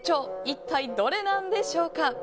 一体どれなんでしょうか。